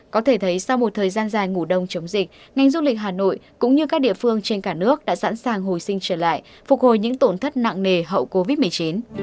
có thể thấy sau một thời gian dài ngủ đông chống dịch ngành du lịch hà nội cũng như các địa phương trên cả nước đã sẵn sàng hồi sinh trở lại phục hồi những tổn thất nặng nề hậu covid một mươi chín